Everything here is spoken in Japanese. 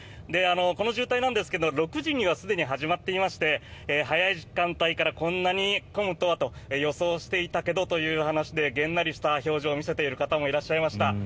この渋滞なんですが６時にはすでに始まっていまして早い時間帯からこんなに混むとはと予想していたけどという話でげんなりした表情を見せている方もいました。